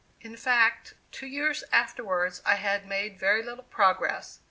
In fact, two years afterwards I had made very little progress.